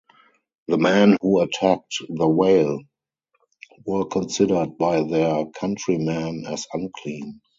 The men who attacked the whale were considered by their countrymen as unclean.